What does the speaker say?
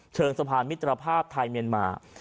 เชิงสะพานมิตรภาพไทยเมียนมา